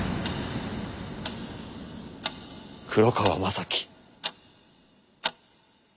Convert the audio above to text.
黒川政樹。